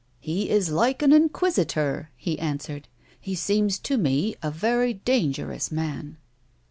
"" He is like an inquisitor !" he answered. " He seems to me a very dangerous man."